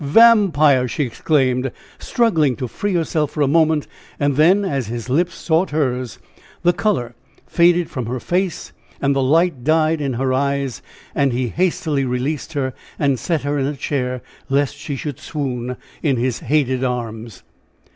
"Vampire!" she exclaimed, struggling to free herself for a moment; and then as his lips sought hers the color faded from her face and the light died in her eyes, and he hastily released her and set her in a chair lest she should swoon in his hated arms.